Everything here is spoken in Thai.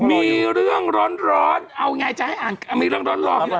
มีเรื่องร้อนร้อนเอาไงจะให้อ่านอ่ะมีเรื่องร้อนร้อน